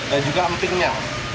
dan juga empingnya